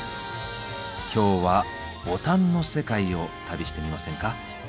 今日はボタンの世界を旅してみませんか？